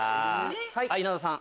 はい稲田さん。